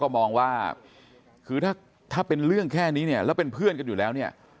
เขาก็มองว่าถ้าเป็นเรื่องแค่นี้แล้วเป็นเพื่อนกันอยู่แล้ว